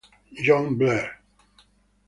John Blair